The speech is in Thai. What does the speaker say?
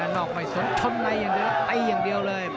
นอกไปสนทนในอย่างเดียวเลย